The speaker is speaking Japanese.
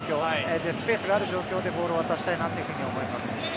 彼が前を向ける状況スペースがある状況でボールを渡したいなと思います。